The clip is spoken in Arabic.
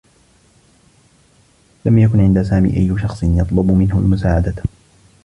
لم يكن عند سامي أيّ شخص يطلب منه المساعدة.